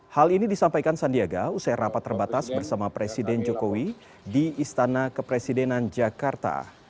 hal ini disampaikan sandiaga usai rapat terbatas bersama presiden jokowi di istana kepresidenan jakarta